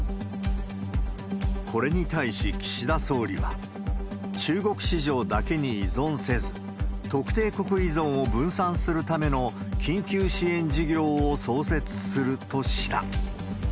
これに対し、岸田総理は、中国市場だけに依存せず、特定国依存を分散するための緊急支援事業を創設するとした。